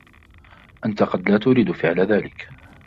أنتَ قد لا تُريد فِعل ذلك.